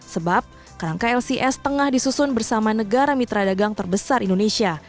sebab kerangka lcs tengah disusun bersama negara mitra dagang terbesar indonesia